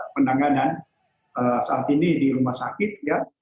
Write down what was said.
penanganan saat ini di rumah sakit ya